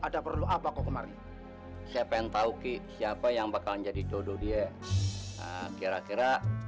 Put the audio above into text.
ada perlu apa kok kemarin siapa yang tahu ki siapa yang bakal jadi dodo dia kira kira